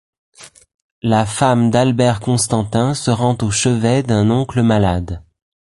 La femme d'Albert Constantin se rend au chevet d'un oncle malade.